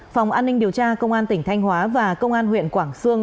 phòng an ninh điều tra công an tỉnh thanh hóa và công an huyện quảng sương